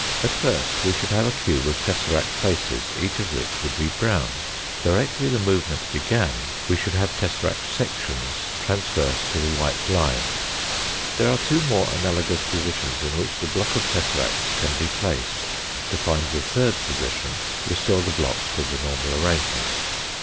At first we should have a cube of tesseract faces, each of which would be brown. Directly the movement began, we should have tesseract sections transverse to the white line. There are two more analogous positions in which the block of tesseracts can be placed. To find the third position, restore the blocks to the normal arrangement.